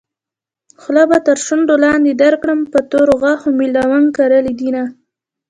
خوله به تر شونډو لاندې درکړم په تورو غاښو مې لونګ کرلي دينه